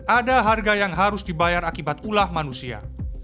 ada harga yang harus dibayar akibat ulah manusia